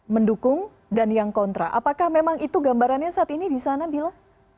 mendukung dan yang kontra apakah memang itu gambarannya saat ini di sana mila